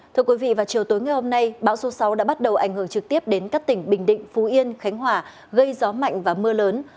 thưa quý vị vào chiều tối ngày hôm nay bão số sáu đã bắt đầu ảnh hưởng trực tiếp đến các tỉnh bình định phú yên khánh hòa gây gió mạnh và mưa lớn